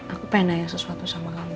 aku pengen nanya sesuatu sama kamu